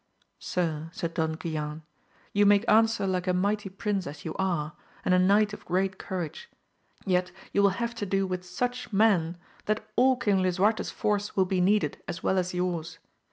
Sir, said Don Guilan, you make answer like a mighty prince as you are, and a knight of great courage, yet you will have to do with such men that all King Lisuarte's force will be needed as well as yours.